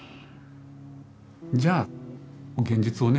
じゃあ現実をね